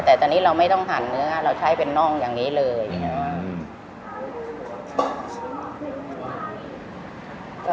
แต่ตอนนี้เราไม่ต้องหั่นเนื้อเราใช้เป็นน่องอย่างนี้เลยอย่างนี้